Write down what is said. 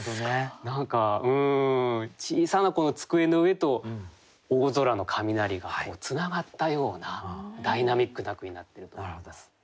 何か小さな机の上と大空の雷がつながったようなダイナミックな句になってると思います。